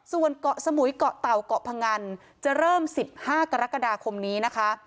ส่วนเกาะสมุยเกาะเต่าเกาะพงันจะเริ่ม๑๕กรกฎาคมนี้นะคะ